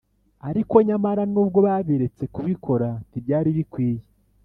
ariko nyamara nubwo babiretse kubikora ntibyari bikwiriye